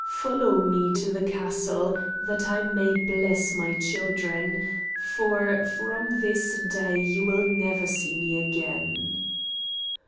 Follow me to the castle, that I may bless my children, for from this day you will never see me again."